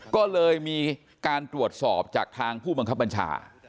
ก็เลยมีการตรวจสอบจากทางผู้บังคับบัญชา